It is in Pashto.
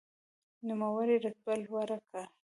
نوموړي رتبه لوړه کړه.